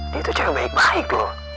dia tuh cewek baik baik loh